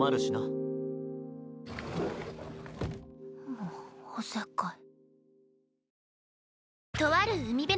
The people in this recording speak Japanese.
もうおせっかい。